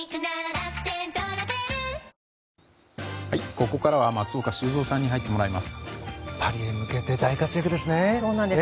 ここからは松岡修造さんに入ってもらいます。